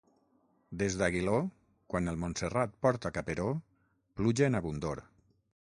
Des d'Aguiló, quan el Montserrat porta caperó, pluja en abundor.